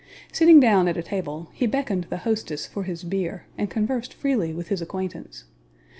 Sitting down at a table, he beckoned the hostess for his beer, and conversed freely with his acquaintance.